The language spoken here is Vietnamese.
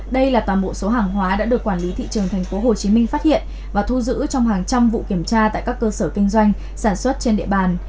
đây là toàn bộ số hàng hóa đã được quản lý thị trường tp hcm phát hiện và thu giữ trong hàng trăm vụ kiểm tra tại các cơ sở kinh doanh sản xuất trên địa bàn